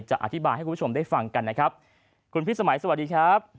อธิบายให้คุณผู้ชมได้ฟังกันนะครับคุณพิสมัยสวัสดีครับ